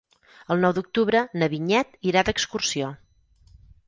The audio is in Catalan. El nou d'octubre na Vinyet irà d'excursió.